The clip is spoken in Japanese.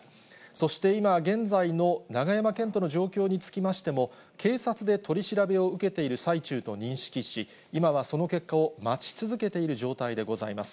そして今、現在の永山絢斗の状況につきましても、警察で取り調べを受けている最中と認識し、今はその結果を待ち続けている状態でございます。